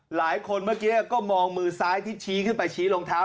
หลายคนเมื่อกี้ก็มองมือซ้ายที่ชี้ขึ้นไปชี้รองเท้า